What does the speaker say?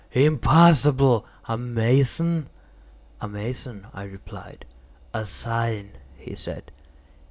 Impossible! A mason?" "A mason," I replied. "A sign," he said.